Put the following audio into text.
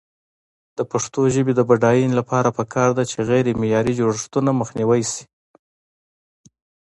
د پښتو ژبې د بډاینې لپاره پکار ده چې غیرمعیاري جوړښتونه مخنیوی شي.